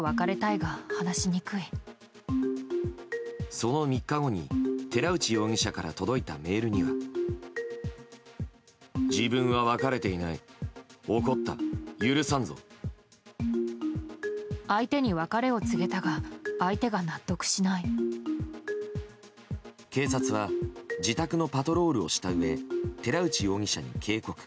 その３日後に、寺内容疑者から届いたメールには。警察は自宅のパトロールをしたうえ寺内容疑者に警告。